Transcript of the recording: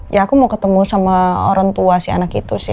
ya aku mau ketemu sama orang tua si anak itu sih